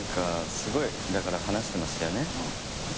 すごいだから話してましたよね。